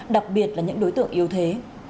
đặc biệt là những đối tượng yếu thế